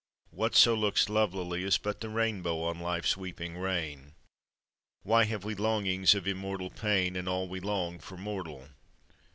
Whatso looks lovelily Is but the rainbow on life's weeping rain. Why have we longings of immortal pain, And all we long for mortal?